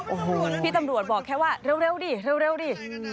โอ้โหพี่ตำรวจบอกแค่ว่าเร็วดิเร็วดิ